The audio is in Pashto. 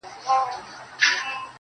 اې غمه جانه، گرانه، صدقانه، سرگردانه